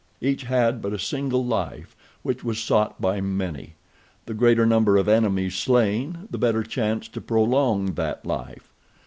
Each had but a single life, which was sought by many. The greater number of enemies slain the better chance to prolong that life.